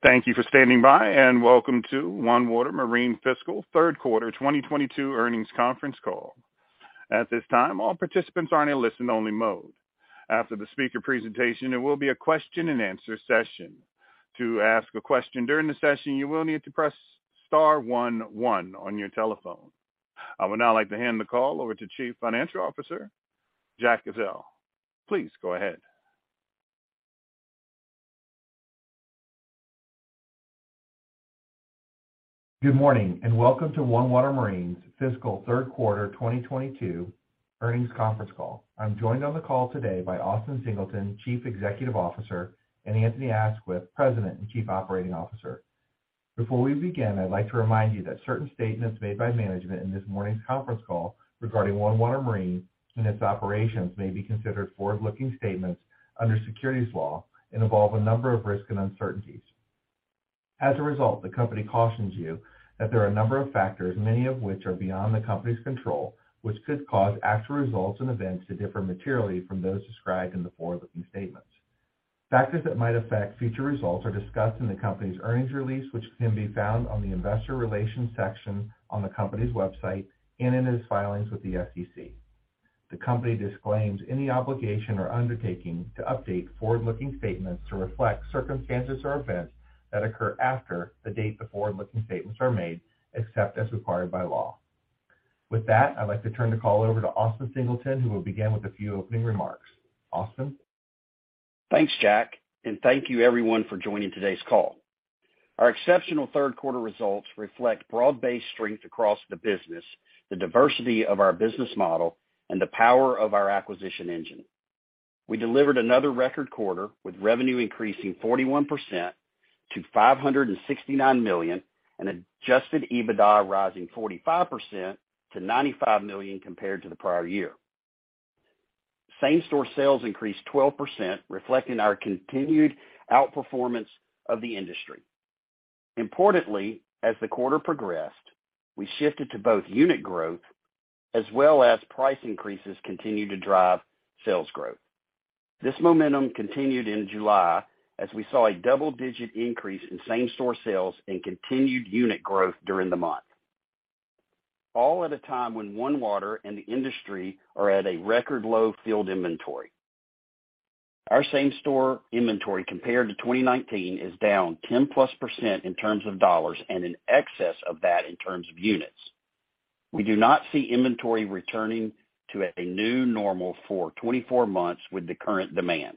Thank you for standing by, and welcome to OneWater Marine fiscal third quarter 2022 earnings conference call. At this time, all participants are in a listen only mode. After the speaker presentation, there will be a question and answer session. To ask a question during the session, you will need to press star one one on your telephone. I would now like to hand the call over to Chief Financial Officer, Jack Ezzell. Please go ahead. Good morning, and welcome to OneWater Marine's fiscal third quarter 2022 earnings conference call. I'm joined on the call today by Austin Singleton, Chief Executive Officer, and Anthony Aisquith, President and Chief Operating Officer. Before we begin, I'd like to remind you that certain statements made by management in this morning's conference call regarding OneWater Marine and its operations may be considered forward-looking statements under securities law and involve a number of risks and uncertainties. As a result, the company cautions you that there are a number of factors, many of which are beyond the company's control, which could cause actual results and events to differ materially from those described in the forward-looking statements. Factors that might affect future results are discussed in the company's earnings release, which can be found on the investor relations section on the company's website and in its filings with the SEC. The company disclaims any obligation or undertaking to update forward-looking statements to reflect circumstances or events that occur after the date the forward-looking statements are made, except as required by law. With that, I'd like to turn the call over to Austin Singleton, who will begin with a few opening remarks. Austin? Thanks, Jack, and thank you everyone for joining today's call. Our exceptional third quarter results reflect broad-based strength across the business, the diversity of our business model, and the power of our acquisition engine. We delivered another record quarter with revenue increasing 41% to $569 million and adjusted EBITDA rising 45% to $95 million compared to the prior year. Same-store sales increased 12%, reflecting our continued outperformance of the industry. Importantly, as the quarter progressed, we shifted to both unit growth as well as price increases continued to drive sales growth. This momentum continued in July as we saw a double-digit increase in same-store sales and continued unit growth during the month. All at a time when OneWater and the industry are at a record low field inventory. Our same-store inventory compared to 2019 is down 10%+ in terms of dollars and in excess of that in terms of units. We do not see inventory returning to a new normal for 24 months with the current demand.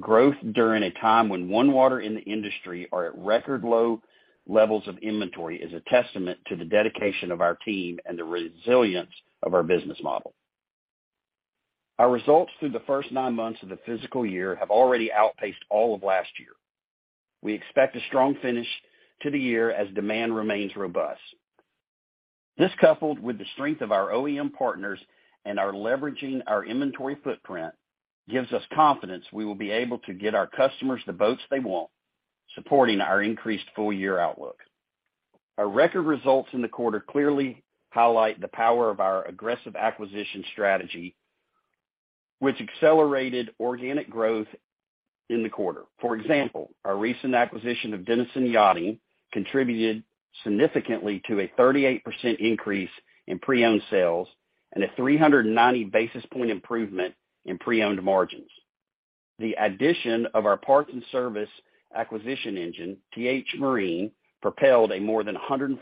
Growth during a time when OneWater in the industry are at record low levels of inventory is a testament to the dedication of our team and the resilience of our business model. Our results through the first nine months of the fiscal year have already outpaced all of last year. We expect a strong finish to the year as demand remains robust. This coupled with the strength of our OEM partners and leveraging our inventory footprint gives us confidence we will be able to get our customers the boats they want, supporting our increased full-year outlook. Our record results in the quarter clearly highlight the power of our aggressive acquisition strategy, which accelerated organic growth in the quarter. For example, our recent acquisition of Denison Yachting contributed significantly to a 38% increase in pre-owned sales and a 390 basis points improvement in pre-owned margins. The addition of our parts and service acquisition engine, T-H Marine, propelled a more than a 150%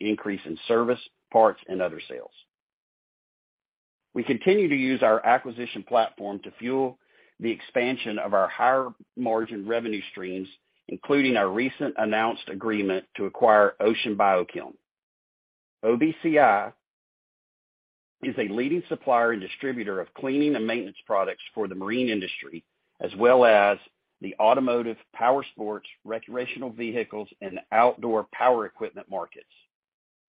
increase in service, parts, and other sales. We continue to use our acquisition platform to fuel the expansion of our higher margin revenue streams, including our recent announced agreement to acquire Ocean Bio-Chem. OBCI is a leading supplier and distributor of cleaning and maintenance products for the marine industry, as well as the automotive, powersports, recreational vehicles, and outdoor power equipment markets.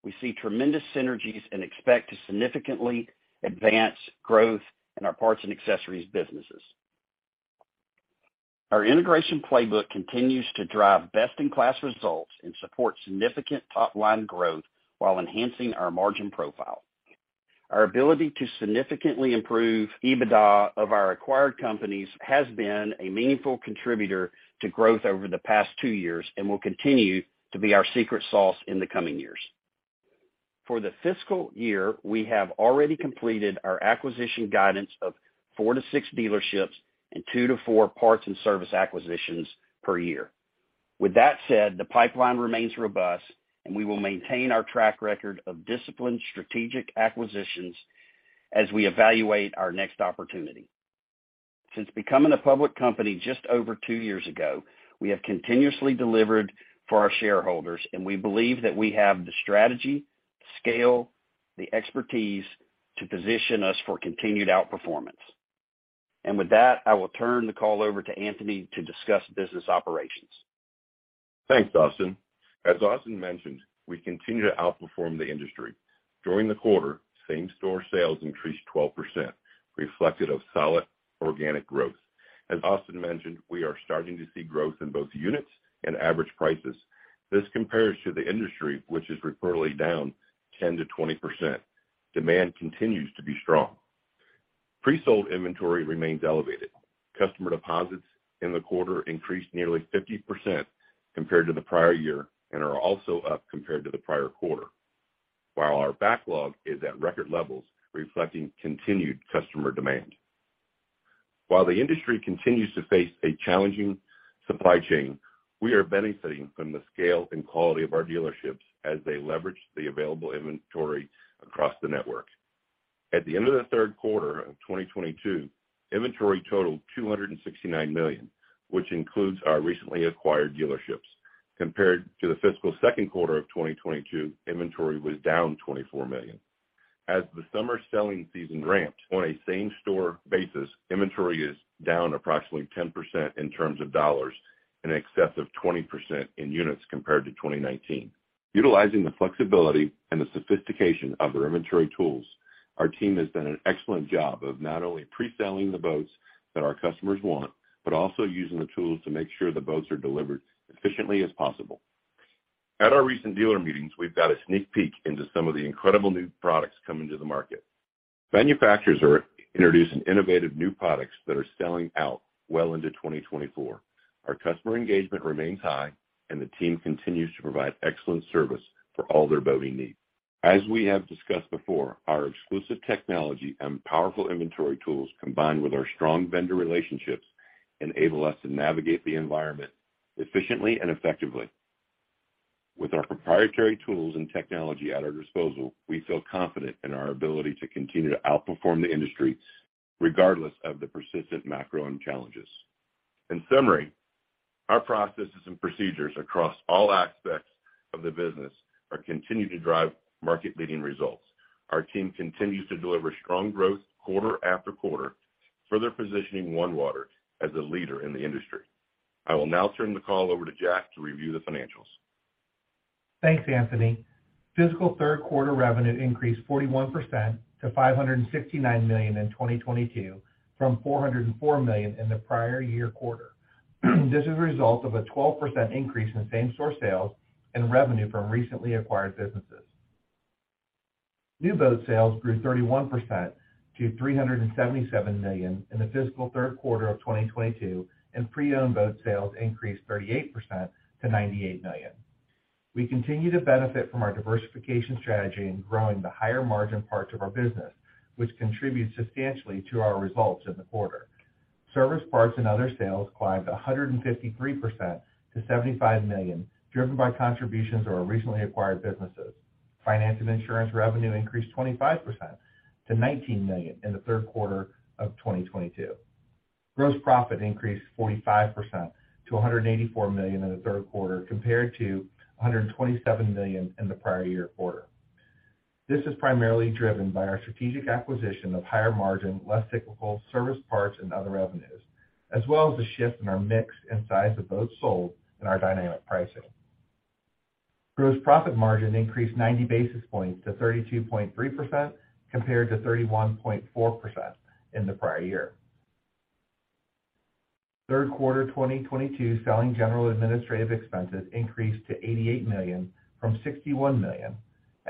We see tremendous synergies and expect to significantly advance growth in our parts and accessories businesses. Our integration playbook continues to drive best-in-class results and supports significant top-line growth while enhancing our margin profile. Our ability to significantly improve EBITDA of our acquired companies has been a meaningful contributor to growth over the past two years and will continue to be our secret sauce in the coming years. For the fiscal year, we have already completed our acquisition guidance of four to six dealerships and two to four parts and service acquisitions per year. With that said, the pipeline remains robust, and we will maintain our track record of disciplined strategic acquisitions as we evaluate our next opportunity. Since becoming a public company just over two years ago, we have continuously delivered for our shareholders, and we believe that we have the strategy, scale, the expertise to position us for continued outperformance. With that, I will turn the call over to Anthony to discuss business operations. Thanks, Austin. As Austin mentioned, we continue to outperform the industry. During the quarter, same-store sales increased 12%, reflective of solid organic growth. As Austin mentioned, we are starting to see growth in both units and average prices. This compares to the industry, which is reportedly down 10%-20%. Demand continues to be strong. Pre-sold inventory remains elevated. Customer deposits in the quarter increased nearly 50% compared to the prior year and are also up compared to the prior quarter. While our backlog is at record levels, reflecting continued customer demand. While the industry continues to face a challenging supply chain, we are benefiting from the scale and quality of our dealerships as they leverage the available inventory across the network. At the end of the third quarter of 2022, inventory totaled $269 million, which includes our recently acquired dealerships. Compared to the fiscal second quarter of 2022, inventory was down $24 million. As the summer selling season ramps on a same-store basis, inventory is down approximately 10% in terms of dollars, in excess of 20% in units compared to 2019. Utilizing the flexibility and the sophistication of their inventory tools, our team has done an excellent job of not only pre-selling the boats that our customers want but also using the tools to make sure the boats are delivered as efficiently as possible. At our recent dealer meetings, we've got a sneak peek into some of the incredible new products coming to the market. Manufacturers are introducing innovative new products that are selling out well into 2024. Our customer engagement remains high and the team continues to provide excellent service for all their boating needs. As we have discussed before, our exclusive technology and powerful inventory tools, combined with our strong vendor relationships, enable us to navigate the environment efficiently and effectively. With our proprietary tools and technology at our disposal, we feel confident in our ability to continue to outperform the industry regardless of the persistent macro challenges. In summary, our processes and procedures across all aspects of the business are continuing to drive market-leading results. Our team continues to deliver strong growth quarter after quarter, further positioning OneWater as a leader in the industry. I will now turn the call over to Jack to review the financials. Thanks, Anthony. Fiscal third quarter revenue increased 41% to $569 million in 2022 from $404 million in the prior year quarter. This is a result of a 12% increase in same-store sales and revenue from recently acquired businesses. New boat sales grew 31% to $377 million in the fiscal third quarter of 2022, and pre-owned boat sales increased 38% to $98 million. We continue to benefit from our diversification strategy in growing the higher margin parts of our business, which contributes substantially to our results in the quarter. Service parts and other sales climbed 153% to $75 million, driven by contributions of our recently acquired businesses. Finance and insurance revenue increased 25% to $19 million in the third quarter of 2022. Gross profit increased 45% to $184 million in the third quarter compared to $127 million in the prior year quarter. This is primarily driven by our strategic acquisition of higher margin, less cyclical service parts and other revenues, as well as the shift in our mix and size of boats sold and our dynamic pricing. Gross profit margin increased 90 basis points to 32.3% compared to 31.4% in the prior year. Third quarter selling general administrative expenses increased to $88 million from $61 million.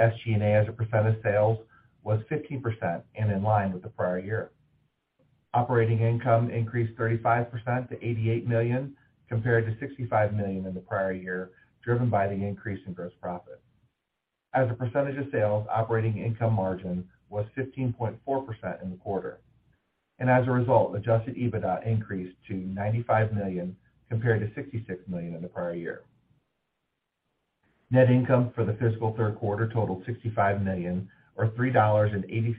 SG&A as a percent of sales was 15% and in line with the prior year. Operating income increased 35% to $88 million compared to $65 million in the prior year, driven by the increase in gross profit. As a percentage of sales, operating income margin was 15.4% in the quarter. As a result, adjusted EBITDA increased to $95 million compared to $66 million in the prior year. Net income for the fiscal third quarter totaled $65 million or $3.86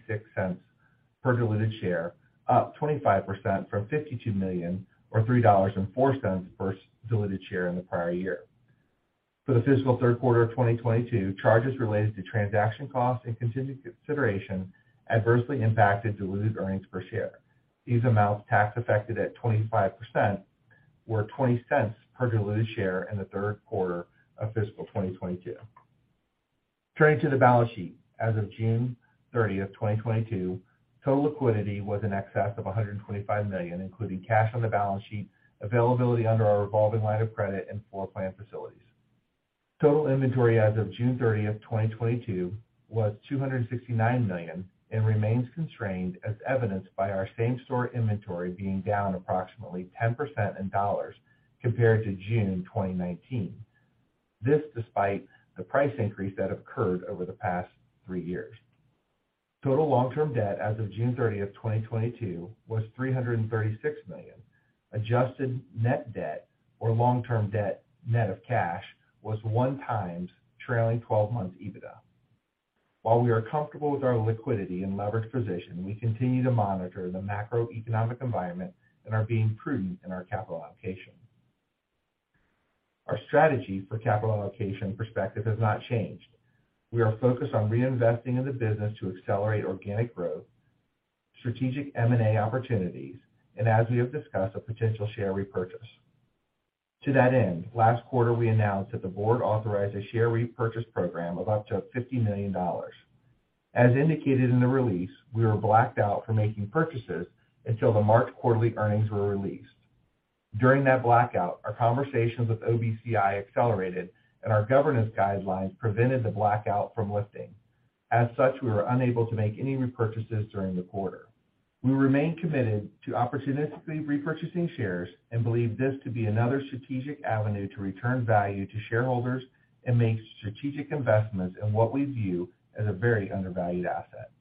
per diluted share, up 25% from $52 million or $3.04 per diluted share in the prior year. For the fiscal third quarter of 2022, charges related to transaction costs and contingent consideration adversely impacted diluted earnings per share. These amounts, tax affected at 25%, were $0.20 per diluted share in the third quarter of fiscal 2022. Turning to the balance sheet. As of June 30, 2022, total liquidity was in excess of $125 million, including cash on the balance sheet, availability under our revolving line of credit, and floor plan facilities. Total inventory as of June 30, 2022 was $269 million and remains constrained as evidenced by our same-store inventory being down approximately 10% in dollars compared to June 2019. This despite the price increase that occurred over the past three years. Total long-term debt as of June 30, 2022 was $336 million. Adjusted net debt or long-term debt, net of cash, was 1x trailing twelve months EBITDA. While we are comfortable with our liquidity and leverage position, we continue to monitor the macroeconomic environment and are being prudent in our capital allocation. Our strategy for capital allocation perspective has not changed. We are focused on reinvesting in the business to accelerate organic growth, strategic M&A opportunities, and as we have discussed, a potential share repurchase. To that end, last quarter we announced that the board authorized a share repurchase program of up to $50 million. As indicated in the release, we were blacked out for making purchases until the March quarterly earnings were released. During that blackout, our conversations with OBCI accelerated and our governance guidelines prevented the blackout from lifting. As such, we were unable to make any repurchases during the quarter. We remain committed to opportunistically repurchasing shares and believe this to be another strategic avenue to return value to shareholders and make strategic investments in what we view as a very undervalued asset.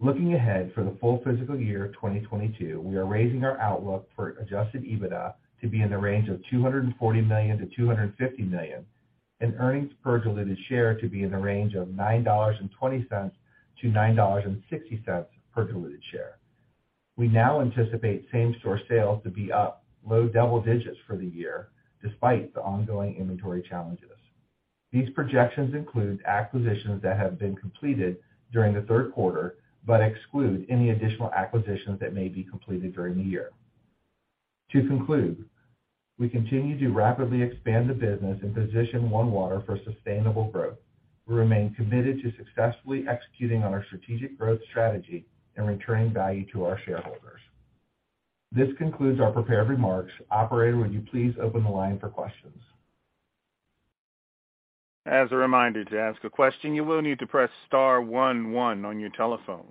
Looking ahead for the full fiscal year of 2022, we are raising our outlook for adjusted EBITDA to be in the range of $240 million-$250 million and earnings per diluted share to be in the range of $9.20-$9.60 per diluted share. We now anticipate same-store sales to be up low double digits for the year despite the ongoing inventory challenges. These projections include acquisitions that have been completed during the third quarter, but exclude any additional acquisitions that may be completed during the year. To conclude, we continue to rapidly expand the business and position OneWater for sustainable growth. We remain committed to successfully executing on our strategic growth strategy and returning value to our shareholders. This concludes our prepared remarks. Operator, would you please open the line for questions? As a reminder, to ask a question, you will need to press star one one on your telephone.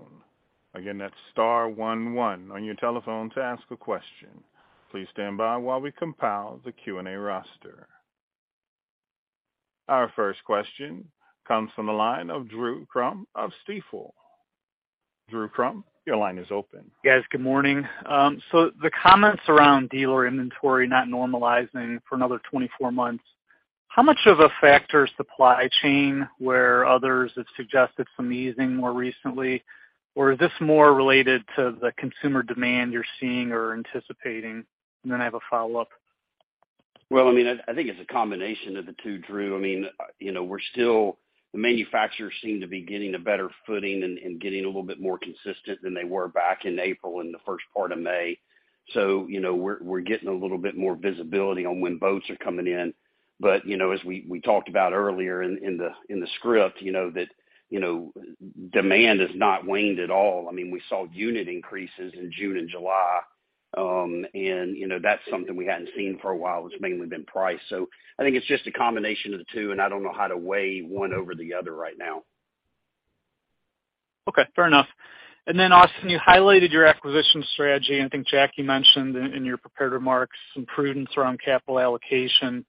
Again, that's star one one on your telephone to ask a question. Please stand by while we compile the Q&A roster. Our first question comes from the line of Drew Crum of Stifel. Drew Crum, your line is open. Guys, good morning. The comments around dealer inventory not normalizing for another 24 months, how much of a factor is supply chain where others have suggested some easing more recently? Or is this more related to the consumer demand you're seeing or anticipating? Then I have a follow-up. Well, I mean, I think it's a combination of the two, Drew. I mean, you know, we're still. The manufacturers seem to be getting a better footing and getting a little bit more consistent than they were back in April and the first part of May. You know, we're getting a little bit more visibility on when boats are coming in. You know, as we talked about earlier in the script, you know, that demand has not waned at all. I mean, we saw unit increases in June and July. You know, that's something we hadn't seen for a while. It's mainly been price. I think it's just a combination of the two, and I don't know how to weigh one over the other right now. Okay, fair enough. Then, Austin, you highlighted your acquisition strategy, and I think Jackie mentioned in your prepared remarks some prudence around capital allocation.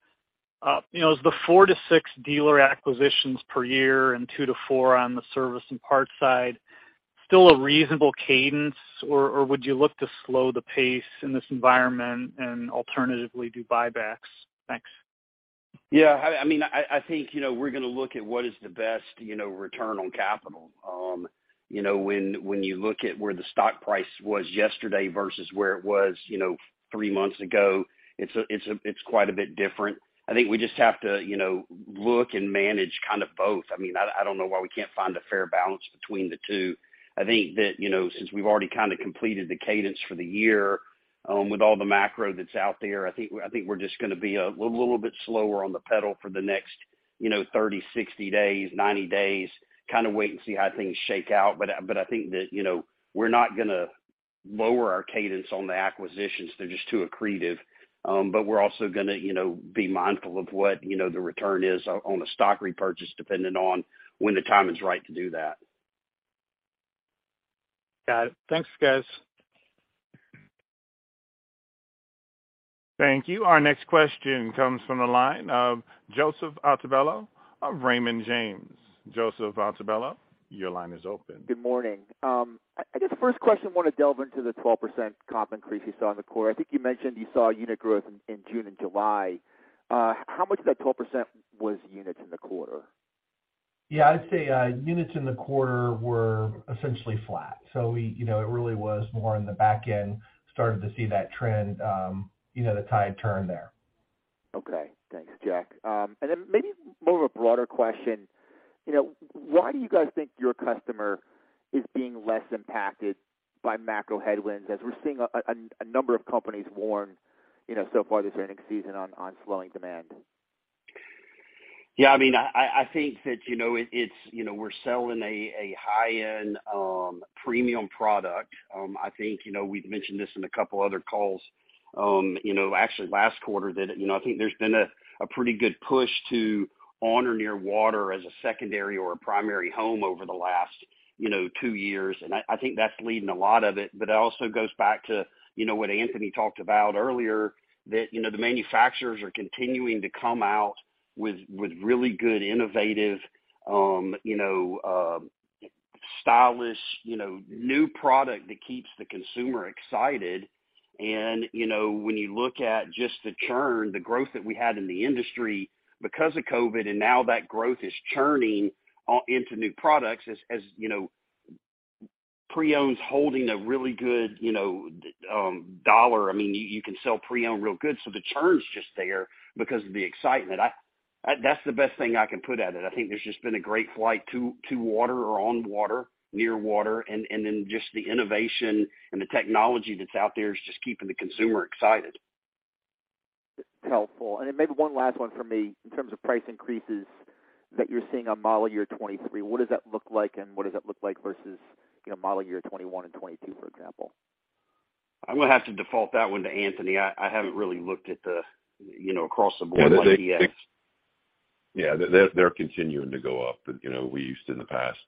You know, is the four to six dealer acquisitions per year and two to four on the service and parts side still a reasonable cadence, or would you look to slow the pace in this environment and alternatively do buybacks? Thanks. Yeah. I mean, I think, you know, we're gonna look at what is the best, you know, return on capital. You know, when you look at where the stock price was yesterday versus where it was, you know, three months ago, it's quite a bit different. I think we just have to, you know, look and manage kind of both. I mean, I don't know why we can't find a fair balance between the two. I think that, you know, since we've already kind of completed the cadence for the year, with all the macro that's out there, I think we're just gonna be a little bit slower on the pedal for the next, you know, 30, 60 days, 90 days, kind of wait and see how things shake out. I think that, you know, we're not gonna lower our cadence on the acquisitions. They're just too accretive. We're also gonna, you know, be mindful of what, you know, the return is on the stock repurchase, depending on when the time is right to do that. Got it. Thanks, guys. Thank you. Our next question comes from the line of Joseph Altobello of Raymond James. Joseph Altobello, your line is open. Good morning. I guess the first question, I wanna delve into the 12% comp increase you saw in the quarter. I think you mentioned you saw unit growth in June and July. How much of that 12% was units in the quarter? Yeah. I'd say, units in the quarter were essentially flat. You know, it really was more on the back end, started to see that trend, you know, the tide turn there. Okay. Thanks, Jack. Maybe more of a broader question. You know, why do you guys think your customer is being less impacted by macro headwinds, as we're seeing a number of companies warn, you know, so far this earnings season on slowing demand? Yeah. I mean, I think that, you know, it's, you know, we're selling a high-end premium product. I think, you know, we've mentioned this in a couple other calls, you know, actually last quarter that, you know, I think there's been a pretty good push to on or near water as a secondary or a primary home over the last two years. I think that's leading a lot of it, but it also goes back to, you know, what Anthony talked about earlier, that, you know, the manufacturers are continuing to come out with really good, innovative, stylish, you know, new product that keeps the consumer excited. You know, when you look at just the churn, the growth that we had in the industry because of COVID, and now that growth is churning into new products as you know, pre-owned is holding a really good, you know, dollar. I mean, you can sell pre-owned real good, so the churn's just there because of the excitement. That's the best thing I can put at it. I think there's just been a great flight to water or on water, near water, and then just the innovation and the technology that's out there is just keeping the consumer excited. Helpful. Maybe one last one for me. In terms of price increases that you're seeing on model year 2023, what does that look like, and what does that look like versus, you know, model year 2021 and 2022, for example? I'm gonna have to default that one to Anthony. I haven't really looked at the, you know, across the board like he has. Yeah. They're continuing to go up. You know, we used to in the past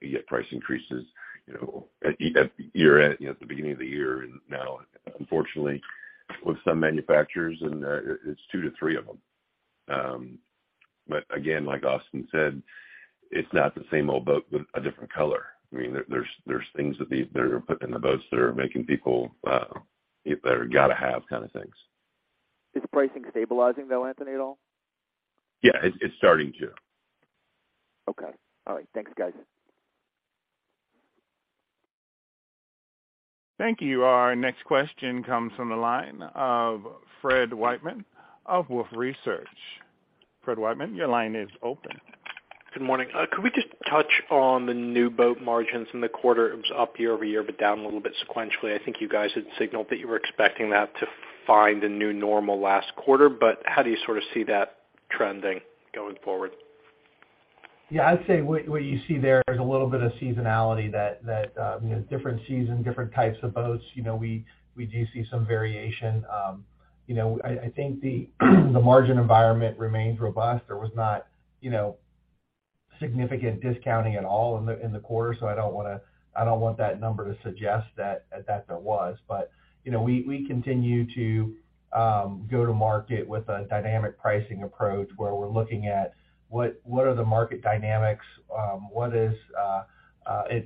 get price increases, you know, at year end, you know, at the beginning of the year. Now, unfortunately with some manufacturers and, it's two to three of them. But again, like Austin said, it's not the same old boat with a different color. I mean, there's things that these they're putting in the boats that are making people, they're gotta have kind of things. Is pricing stabilizing though, Anthony, at all? Yeah, it's starting to. Okay. All right. Thanks, guys. Thank you. Our next question comes from the line of Fred Wightman of Wolfe Research. Fred Wightman, your line is open. Good morning. Could we just touch on the new boat margins in the quarter? It was up year-over-year, but down a little bit sequentially. I think you guys had signaled that you were expecting that to find a new normal last quarter, but how do you sort of see that trending going forward? Yeah, I'd say what you see there is a little bit of seasonality that you know different season, different types of boats, you know, we do see some variation. You know, I think the margin environment remains robust. There was not, you know, significant discounting at all in the quarter. I don't want that number to suggest that there was. You know, we continue to go to market with a dynamic pricing approach where we're looking at what are the market dynamics, what is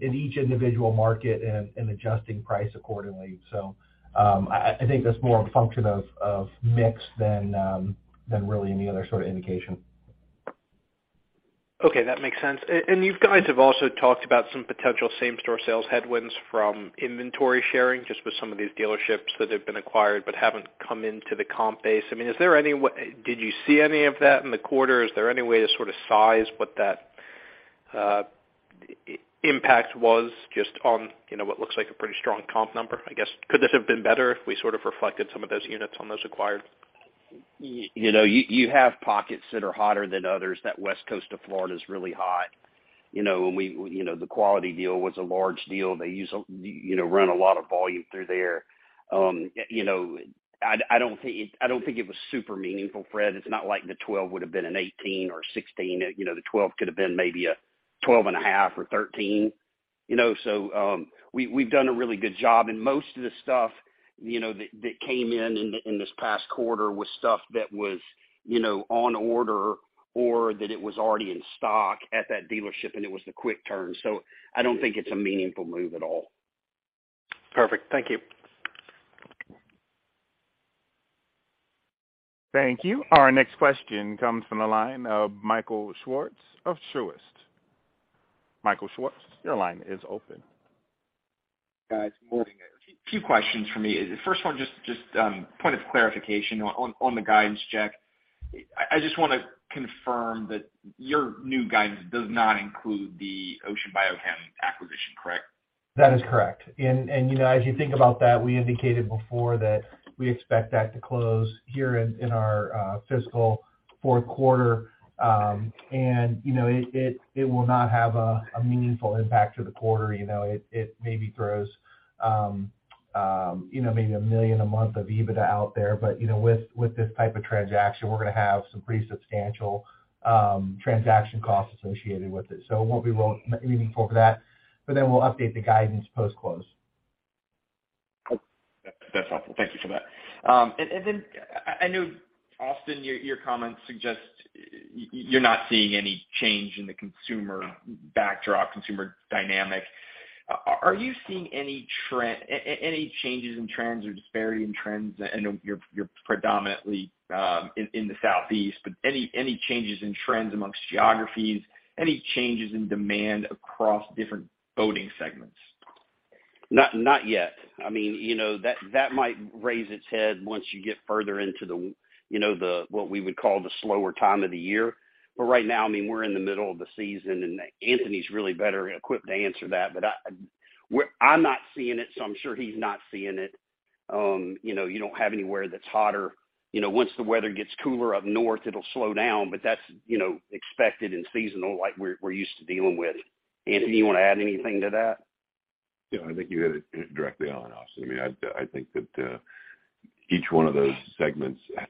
in each individual market and adjusting price accordingly. I think that's more a function of mix than really any other sort of indication. Okay, that makes sense. You guys have also talked about some potential same-store sales headwinds from inventory sharing, just with some of these dealerships that have been acquired but haven't come into the comp base. I mean, did you see any of that in the quarter? Is there any way to sort of size what that, impact was just on, you know, what looks like a pretty strong comp number? I guess, could this have been better if we sort of reflected some of those units on those acquired? You know, you have pockets that are hotter than others. That west coast of Florida is really hot. You know, the Quality deal was a large deal. You know, run a lot of volume through there. You know, I don't think it was super meaningful, Fred. It's not like the 12 would've been an 18 or a 16. You know, the 12 could have been maybe a 12 and a half or 13, you know? We've done a really good job. Most of the stuff, you know, that came in in this past quarter was stuff that was, you know, on order or that it was already in stock at that dealership and it was the quick turn. I don't think it's a meaningful move at all. Perfect. Thank you. Thank you. Our next question comes from the line of Michael Swartz of Truist. Michael Swartz, your line is open. Guys, morning. A few questions for me. First one, just point of clarification on the guidance check. I just wanna confirm that your new guidance does not include the Ocean Bio-Chem acquisition, correct? That is correct. You know, as you think about that, we indicated before that we expect that to close here in our fiscal fourth quarter. You know, it will not have a meaningful impact to the quarter. You know, it maybe throws you know, maybe $1 million a month of EBITDA out there. You know, with this type of transaction, we're gonna have some pretty substantial transaction costs associated with it. It won't be real meaningful for that. Then we'll update the guidance post-close. Cool. That's helpful. Thank you for that. And then I know, Austin, your comments suggest you're not seeing any change in the consumer backdrop, consumer dynamic. Are you seeing any changes in trends or disparity in trends? I know you're predominantly in the Southeast, but any changes in trends amongst geographies? Any changes in demand across different boating segments? Not yet. I mean, you know, that might raise its head once you get further into the, you know, what we would call the slower time of the year. Right now, I mean, we're in the middle of the season, and Anthony's really better equipped to answer that. I'm not seeing it, so I'm sure he's not seeing it. You know, you don't have anywhere that's hotter. You know, once the weather gets cooler up north, it'll slow down. That's, you know, expected and seasonal like we're used to dealing with. Anthony, you wanna add anything to that? Yeah, I think you hit it directly on, Austin. I mean, I think that each one of those segments that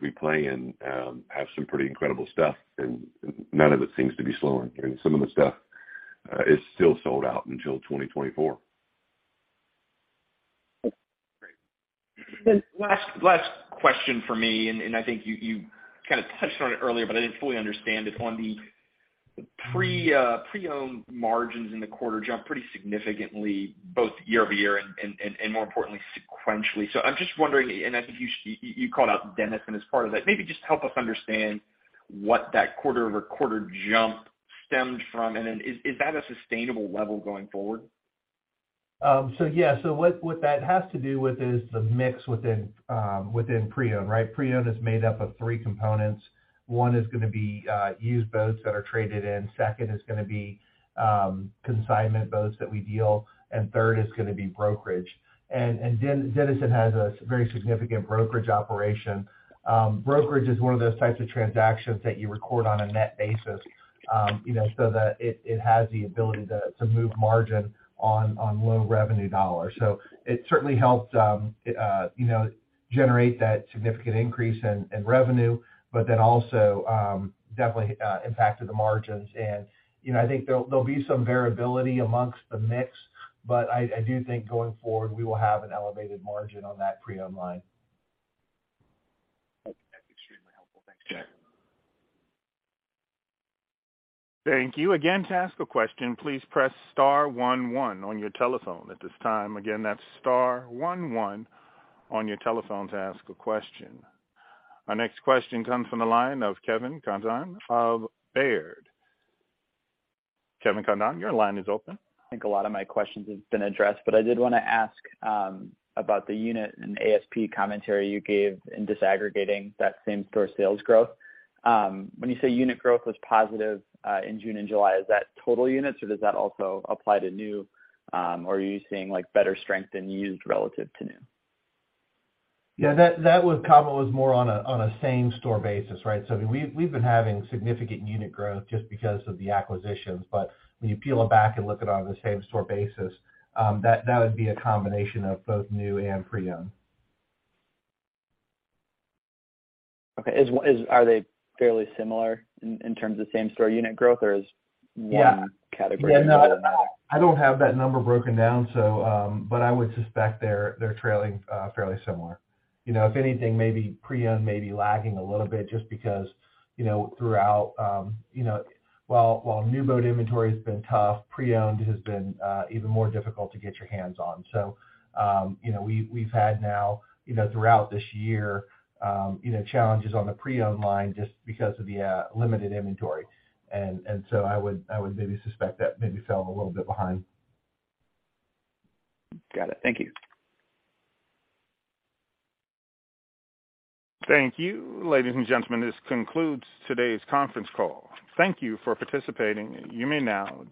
we play in have some pretty incredible stuff, and none of it seems to be slowing. I mean, some of the stuff is still sold out until 2024. Great. Then last question for me, and I think you kinda touched on it earlier, but I didn't fully understand it. On the pre-owned margins in the quarter jumped pretty significantly, both year-over-year and, more importantly, sequentially. I'm just wondering, and I think you called out Denison as part of that. Maybe just help us understand what that quarter-over-quarter jump stemmed from. Then is that a sustainable level going forward? Yeah. What that has to do with is the mix within pre-owned, right? Pre-owned is made up of three components. One is gonna be used boats that are traded in, second is gonna be consignment boats that we deal, and third is gonna be brokerage. Denison has a very significant brokerage operation. Brokerage is one of those types of transactions that you record on a net basis, you know, so that it has the ability to move margin on low revenue dollars. It certainly helped, you know, generate that significant increase in revenue, but then also, definitely, impacted the margins. You know, I think there'll be some variability amongst the mix, but I do think going forward, we will have an elevated margin on that pre-owned line. That's extremely helpful. Thanks. Yeah. Thank you. Again, to ask a question, please press star one one on your telephone. At this time, again, that's star one one on your telephone to ask a question. Our next question comes from the line of Kevin Condon of Baird. Kevin Condon, your line is open. I think a lot of my questions have been addressed, but I did wanna ask about the unit and ASP commentary you gave in disaggregating that same-store sales growth. When you say unit growth was positive in June and July, is that total units, or does that also apply to new, or are you seeing, like, better strength in used relative to new? Yeah, that was Kevin, was more on a same-store basis, right? We've been having significant unit growth just because of the acquisitions. When you peel it back and look at it on the same-store basis, that would be a combination of both new and pre-owned. Okay. Are they fairly similar in terms of same-store unit growth, or is one? Yeah Category better than the other? Yeah, no, I don't have that number broken down, so but I would suspect they're trailing fairly similar. You know, if anything, maybe pre-owned may be lagging a little bit just because, you know. While new boat inventory's been tough, pre-owned has been even more difficult to get your hands on. You know, we've had now, you know, throughout this year, you know, challenges on the pre-owned line just because of the limited inventory. I would maybe suspect that maybe fell a little bit behind. Got it. Thank you. Thank you. Ladies and gentlemen, this concludes today's conference call. Thank you for participating. You may now disconnect.